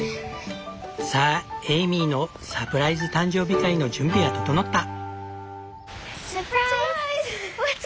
さあエイミーのサプライズ誕生日会の準備は整った！